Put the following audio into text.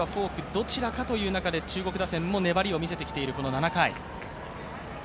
どちらかという中で中国打線も粘りを見せてきているこの７回。